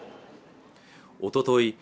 おととい